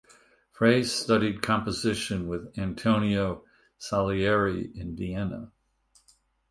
Frey studied composition with Antonio Salieri in Vienna.